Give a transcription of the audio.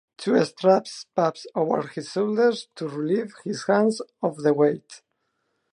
Two straps pass over his shoulders to relieve his hands of the weight.